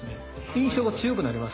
印象が強くなります。